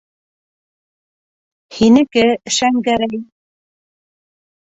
Һинеке, Шәңгәрәй.